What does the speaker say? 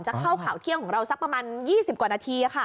เข้าข่าวเที่ยงของเราสักประมาณ๒๐กว่านาที